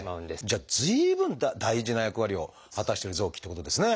じゃあ随分大事な役割を果たしてる臓器っていうことですね。